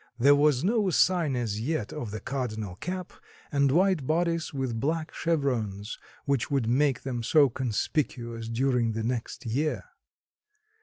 There was no sign as yet of the cardinal cap and white bodice with black chevrons, which would make them so conspicuous during the next year.